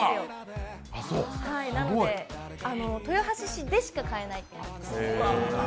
なので豊橋市でしか買えない。